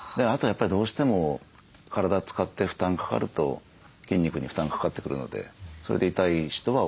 やっぱりどうしても体使って負担かかると筋肉に負担かかってくるのでそれで痛い人は多いと思いますね。